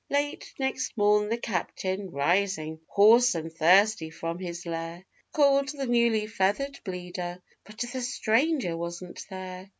Late next morn the captain, rising, hoarse and thirsty from his lair, Called the newly feather'd Bleeder, but the stranger wasn't there!